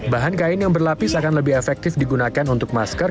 bahan kain yang berlapis akan lebih efektif digunakan untuk masker